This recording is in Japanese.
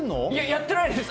やってないです。